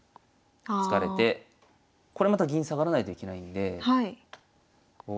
これまた銀下がらないといけないんで。